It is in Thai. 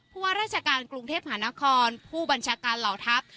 ว่าราชการกรุงเทพหานครผู้บัญชาการเหล่าทัพ